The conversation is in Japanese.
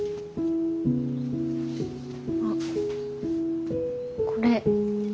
あっこれ。